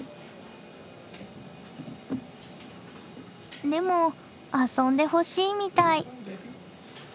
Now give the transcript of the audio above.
でも遊んでほしいみたい。